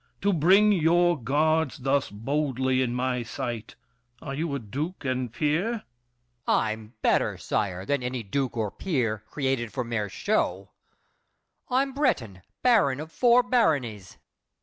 To bring your guards thus boldly in my sight, Are you a duke and peer? MARQUIS DE NANGIS. I'm better, sire, Than any duke and peer, created for mere show! I'm Breton baron of four baronies.